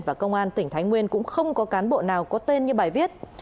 và công an tỉnh thái nguyên cũng không có cán bộ nào có tên như bài viết